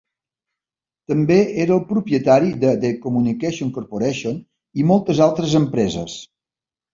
També era el propietari de The Communications Corporation i moltes altres empreses.